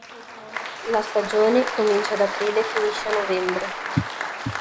La stagione comincia ad aprile e finisce a novembre.